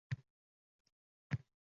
Xuddi amazonkalardek. Bir kuni yov bosgan.